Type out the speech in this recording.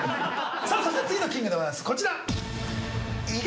そして次のキングでございますこちら！